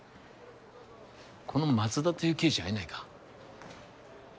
この松田という刑事会えないか？